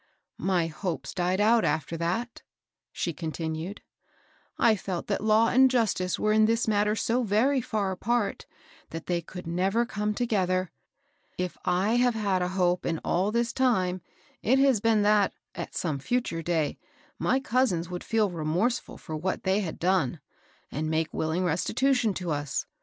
My hopes died out after that," she continued, *' I felt that law and justice were in this matter so very far apart, that they could never come togeth BARBARA STRAND. 413 ^r. If I have had a hope in all this time it has been that, at some future day, my cousins would feel remorseful for what they had done, and make will ing restitution to us.